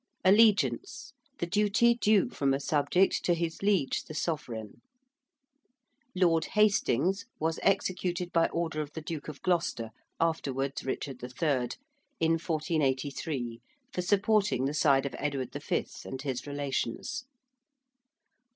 ~Allegiance~: the duty due from a subject to his liege the sovereign. ~Lord Hastings~ was executed by order of the Duke of Gloucester, afterwards Richard III., in 1483 for supporting the side of Edward V. and his relations.